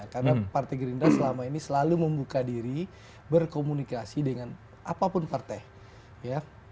karena partai gerindra selama ini selalu membuka diri berkomunikasi dengan apapun partai